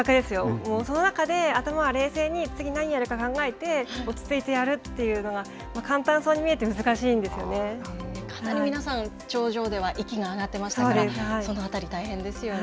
もうその中で、頭は冷静に、次何やるか考えて落ち着いてやるというのが、簡単そうに見えて、難しかなり皆さん、頂上では息が上がっていましたから、そのあたり、大変ですよね。